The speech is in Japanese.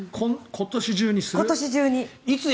今年中にする。